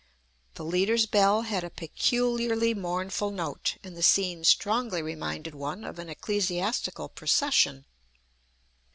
The leader's bell had a peculiarly mournful note, and the scene strongly reminded one of an ecclesiastical procession.